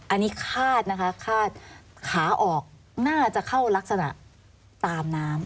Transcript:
อันนี้คาดนะคะคาดขาออกน่าจะเข้ารักษณะตามน้ำ